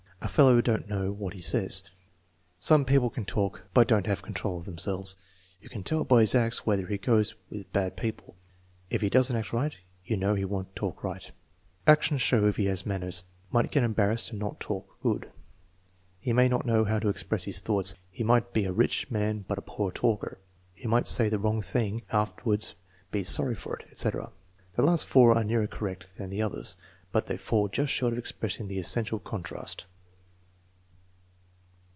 "A fellow don't know what he says." "Some people can talk, but don't have control of themselves." "You can tell by his acts whether he goes with bad people." "If he does n't act right you know he won't talk right." "Actions show if he has manners." "Might get embarrassed and not talk good." "He may not know how to express his thoughts." "He might be a rich man but a poor talker." "He might say the wrong thing and after wards be sorry for it," etc. (The last four are nearer correct than the others, but they fall just short of expressing the essential contrast.)